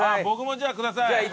僕もじゃあください。